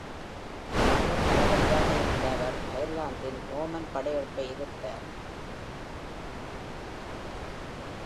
இராணுவத் தளபதியாக இருந்த அவர், அயர்லாந்தின் Norman படையெடுப்பை எதிர்த்தார்.